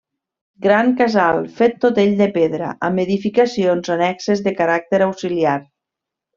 Gran casal fet tot ell de pedra, amb edificacions annexes de caràcter auxiliar.